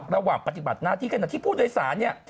ระหว่างปฏิบัติหน้าที่ขณะที่ผู้โดยสารเนี่ย